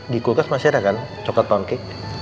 di kulkas masih ada kan coklat pound cake